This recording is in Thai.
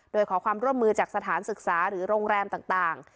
โดยขอความร่วมมือจากสถานศึกษาหรือโรงแรมต่าง